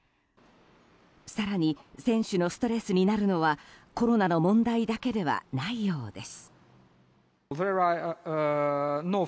更に選手のストレスになるのはコロナの問題だけではないようです。